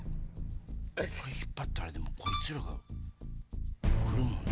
これ引っ張ったらこいつらが来るもんな。